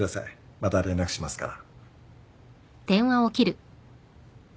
また連絡しますから。